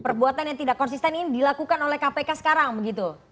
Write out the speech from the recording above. perbuatan yang tidak konsisten ini dilakukan oleh kpk sekarang begitu